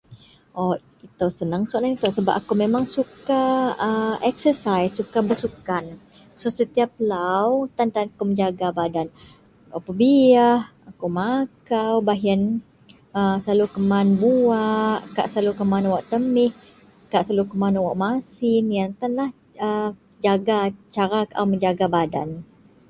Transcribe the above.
Ito seneng soalan ito sebab akou memeng suka a eksasaih suka bersukan setiyap lau kutan tan akou menjaga badan akou pebiyah akou selalu makau beh iyen selalu keman buwak kak selalu keman wak temih kak selalu keman wak masin iyenlah tan a cara kaau menjaga badan.